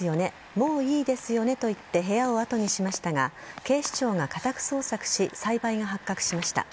もういいですよねと言って部屋を後にしましたが警視庁が家宅捜索し栽培が発覚しました。